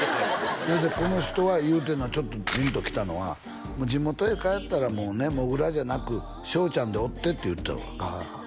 それでこの人が言うてんのがちょっとジンときたのは地元へ帰ったらもうねもぐらじゃなく翔ちゃんでおってって言ってたわああ